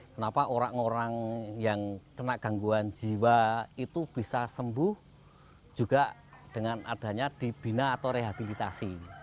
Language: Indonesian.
kenapa orang orang yang kena gangguan jiwa itu bisa sembuh juga dengan adanya dibina atau rehabilitasi